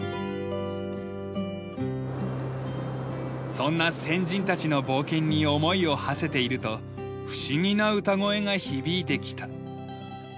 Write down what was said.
そんな先人たちの冒険に思いをはせていると不思議な歌声が響いてきた。